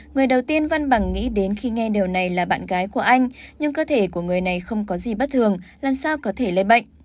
người đầu tiên văn bằng nghĩ đến khi nghe điều này là bạn gái của anh nhưng cơ thể của người này không có gì bất thường làm sao có thể lây bệnh